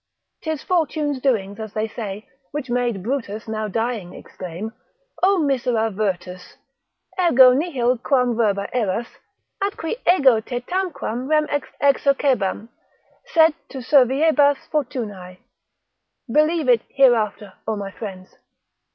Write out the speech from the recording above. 'Tis fortune's doings, as they say, which made Brutus now dying exclaim, O misera virtus, ergo nihil quam verba eras, atqui ego te tanquam rem exercebam, sed tu serviebas fortunae. Believe it hereafter, O my friends!